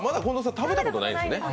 食べたことないんですね？